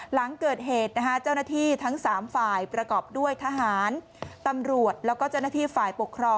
หลังเกิดเหตุเจ้าหน้าที่ทั้ง๓ฝ่ายประกอบด้วยทหารตำรวจแล้วก็เจ้าหน้าที่ฝ่ายปกครอง